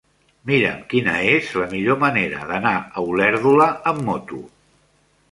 Mira'm quina és la millor manera d'anar a Olèrdola amb moto.